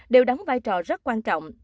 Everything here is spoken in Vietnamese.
đều đóng vai trò rất quan trọng